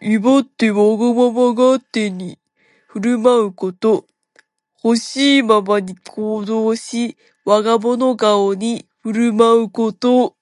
威張ってわがまま勝手に振る舞うこと。ほしいままに行動し、我が物顔に振る舞うこと。